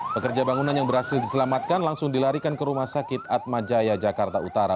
pekerja bangunan yang berhasil diselamatkan langsung dilarikan ke rumah sakit atmajaya jakarta utara